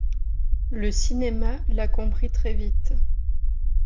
Le cinéma l'a compris très vite.